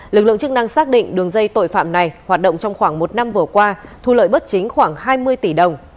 lực lượng chức năng xác định đường dây tội phạm này hoạt động trong khoảng một năm vừa qua thu lợi bất chính khoảng hai mươi tỷ đồng